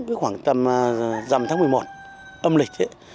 cứ khoảng tầm dầm tháng một mươi một âm lịch ấy